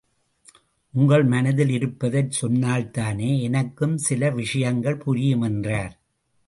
உங்கள் மனதில் இருப்பதைச் சொன்னால்தானே எனக்கும் சில விஷயங்கள் புரியும் என்றார்.